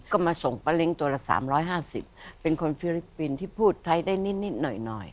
ก็มาส่งป้าเล้งตัวละ๓๕๐เป็นคนฟิลิปปินส์ที่พูดไทยได้นิดหน่อย